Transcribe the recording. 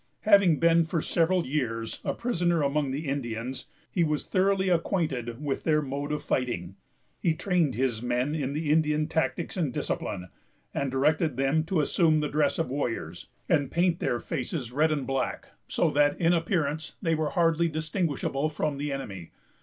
Having been, for several years, a prisoner among the Indians, he was thoroughly acquainted with their mode of fighting. He trained his men in the Indian tactics and discipline, and directed them to assume the dress of warriors, and paint their faces red and black, so that, in appearance, they were hardly distinguishable from the enemy.